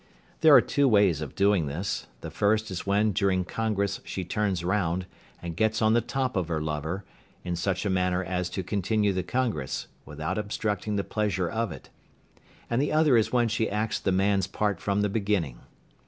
There are two ways of doing this, the first is when during congress she turns round, and gets on the top of her lover, in such a manner as to continue the congress, without obstructing the pleasure of it; and the other is when she acts the man's part from the beginning.